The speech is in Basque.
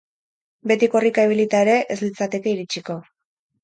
Beti korrika ibilita ere, ez litzateke iritsiko.